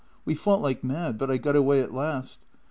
We fought like mad, but I got away at last.